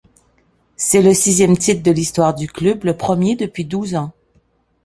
C'est le sixième titre de l'histoire du club, le premier depuis douze ans.